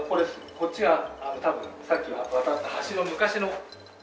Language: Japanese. こっちが多分さっき渡った橋の昔の。